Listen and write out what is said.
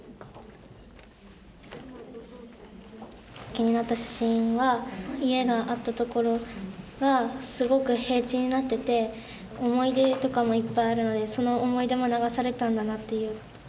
気になった写真は家があったところがすごく平地になってて思い出とかもいっぱいあるのでその思い出も流されたんだなっていう。